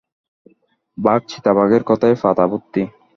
বাঘ, চিতাবাঘের কথায় পাতা ভর্তি।